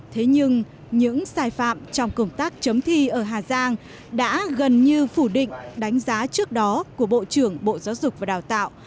thế nhưng những sai phạm trong công tác chấm thi ở hà giang đã gần như phủ định đánh giá trước đó của bộ trưởng bộ giáo dục và đào tạo